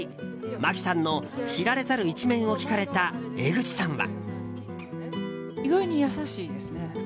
真木さんの知られざる一面を聞かれた江口さんは？